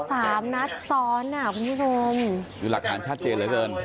สามนัดซ้อนอ่ะคุณผู้ชมคือหลักฐานชัดเจนเหลือเกิน